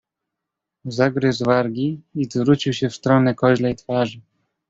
"Zagryzł wargi i zwrócił się w stronę koźlej twarzy."